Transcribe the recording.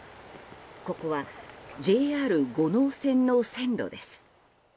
ここはＪＲ五能線の線路です。